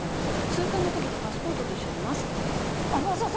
通関の時にパスポートと一緒にマスク渡すっていう。